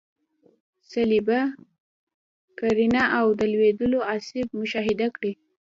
صلبیه، قرنیه او د لیدلو عصب مشاهده کړئ.